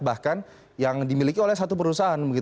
bahkan yang dimiliki oleh satu perusahaan